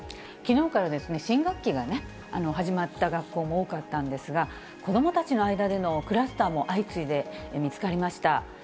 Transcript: きのうから新学期が始まった学校も多かったんですが、子どもたちの間でのクラスターも相次いで見つかりました。